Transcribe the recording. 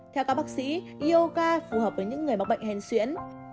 theo các bác sĩ yoga phù hợp với những người mắc bệnh hèn xuyễn